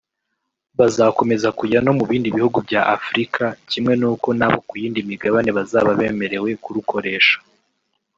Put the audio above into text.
bazakomeza kujya no mu bindi bihugu bya Afrika kimwe nuko n'abo ku yindi migabane bazaba bemerewe kurukoresha